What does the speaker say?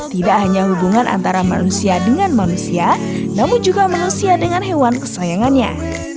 tidak hanya hubungan antara manusia dengan manusia namun juga manusia dengan hewan kesayangannya